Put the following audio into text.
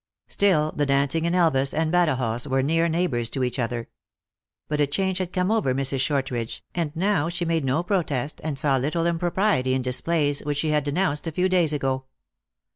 Still the dancing in Elvas and Badajoz were near neigh bors to each other. But a change had come over Mrs. Shortridge, and now she made no protest, and saw little impropriety in displays which she had de nounced a few days ago.